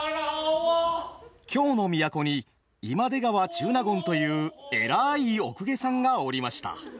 京の都に今出川中納言という偉いお公家さんがおりました。